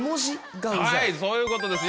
はいそういうことです